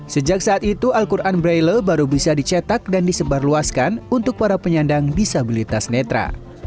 sejak saat itu al quran braille baru bisa dicetak dan disebarluaskan untuk para penyandang disabilitas netra